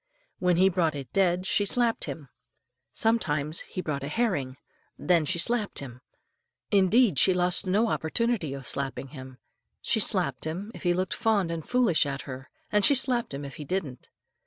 When he brought it dead, she slapped him. Sometimes he brought a herring, then she slapped him. Indeed, she lost no opportunity of slapping him. She slapped him if he looked fond and foolish at her, and she slapped him if he didn't.